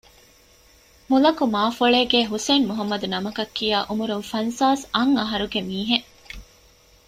މުލަކު މާފޮޅޭގޭ ޙުސައިން މުޙައްމަދު ނަމަކަށްކިޔާ ޢުމުރުން ފަންސާސް އަށް އަހަރުގެ މީހެއް